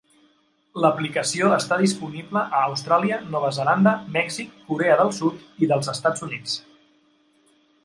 L'aplicació està disponible a Austràlia, Nova Zelanda, Mèxic, Corea del Sud i dels Estats Units.